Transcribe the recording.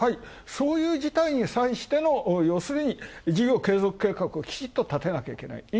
そういう事態に際しての、ようするに事業継続計画をきちっとたてなきゃいけない。